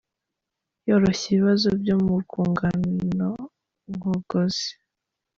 Yoroshya ibibazo byo mu rwungano ngogozi.